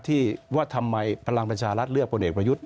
ที่ว่าทำไมพลังประชารัฐเลือกพลเอกประยุทธ์